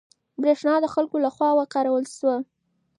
برېښنا د خلکو له خوا وکارول شوه.